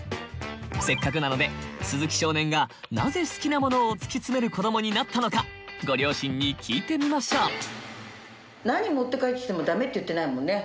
せっかくなので鈴木少年がなぜ好きなものをつき詰める子どもになったのかご両親に聞いてみましょう。